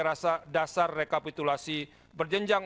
rasa dasar rekapitulasi berjenjang